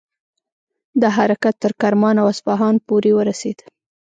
دا حرکت تر کرمان او اصفهان پورې ورسید.